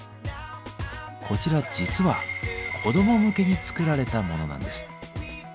こちらは実は子ども向けに作られたものなんです。